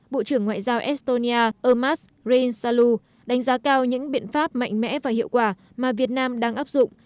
bộ trưởng ngoại giao estonia ermas reyn saluh đánh giá cao những biện pháp mạnh mẽ và hiệu quả mà việt nam đang áp dụng